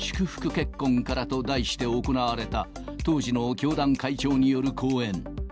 結婚からと題して行われた、当時の教団会長による講演。